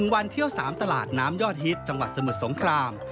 วันเที่ยว๓ตลาดน้ำยอดฮิตจังหวัดสมุทรสงคราม